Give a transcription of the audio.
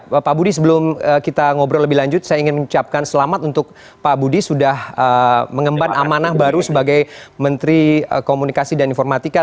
bapak budi sebelum kita ngobrol lebih lanjut saya ingin mengucapkan selamat untuk pak budi sudah mengemban amanah baru sebagai menteri komunikasi dan informatika